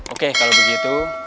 oke kalau begitu